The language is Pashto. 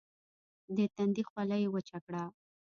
د تندي خوله يې وچه کړه.